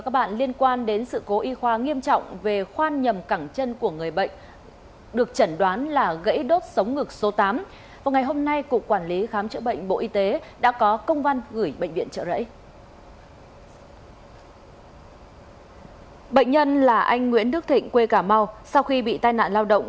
bệnh nhân là anh nguyễn đức thịnh quê cà mau sau khi bị tai nạn lao động